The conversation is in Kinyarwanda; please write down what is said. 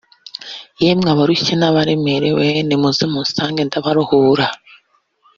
“yemwe abarushye n’abaremerewe nimuze munsange ndabaruhura